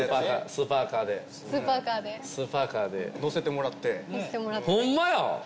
スーパーカーでスーパーカーでスーパーカーで乗せてもらってホンマや！